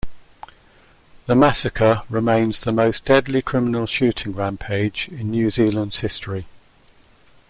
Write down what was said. The massacre remains the most deadly criminal shooting rampage in New Zealand's history.